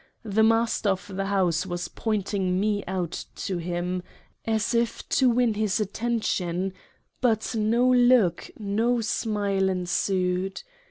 The Master of the house was pointing me out to him as if to win his attention, but no look, no smile ensued.